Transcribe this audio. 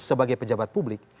sebagai pejabat publik